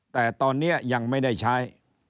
แต่ตอนนี้ยังไม่ได้ใช้